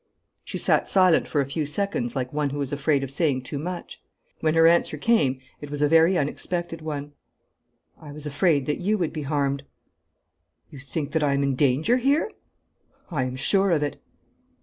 She sat silent for a few seconds like one who is afraid of saying too much. When her answer came it was a very unexpected one: 'I was afraid that you would be harmed.' 'You think that I am in danger here?' 'I am sure of it.'